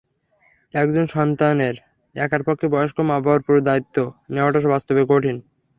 একজন সন্তানের একার পক্ষে বয়স্ক মা-বাবার পুরো দায়িত্ব নেওয়াটাও বাস্তবে কঠিন।